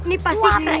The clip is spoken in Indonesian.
ini pasti keren